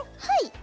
はい。